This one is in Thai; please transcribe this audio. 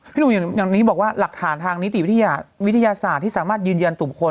หนุ่มอย่างนี้บอกว่าหลักฐานทางนิติวิทยาศาสตร์ที่สามารถยืนยันตุ่มคน